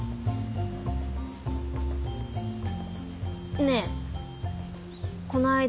ねぇこの間